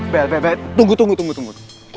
bel tunggu tunggu tunggu